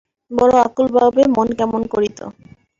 বড় আকুলভাবে মন কেমন করিত।